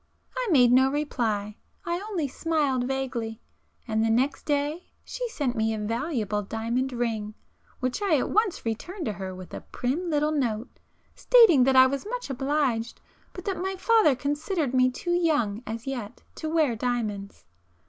I made no reply,—I only smiled vaguely; and the next day she sent me a valuable diamond ring, which I at once returned to her with a prim little note, stating that I was much obliged, but that my father considered me too young as yet to wear diamonds.